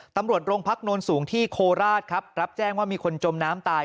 ตำรวจโรงพักโนนสูงที่โคราชครับรับแจ้งว่ามีคนจมน้ำตาย